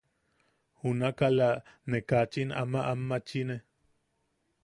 Junak ala, ne kachin ama anmachine.